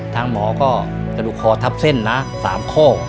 ทางหมอก็จะดูคอทับเส้นนะ๓โค้ก